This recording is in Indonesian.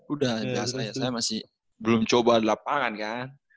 udah biasa ya saya masih belum coba di lapangan kan